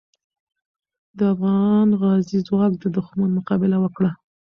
د افغان غازیو ځواک د دښمن مقابله وکړه.